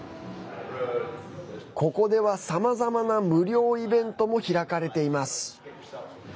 ここでは、さまざまな無料イベントも開かれています。